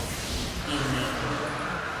鄧麗君